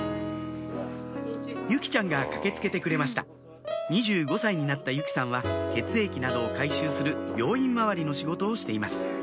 由季ちゃんが駆け付けてくれました２５歳になった由季さんは血液などを回収する病院回りの仕事をしています